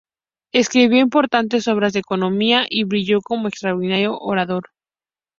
Escribió importantes obras de economía y brilló como extraordinario orador.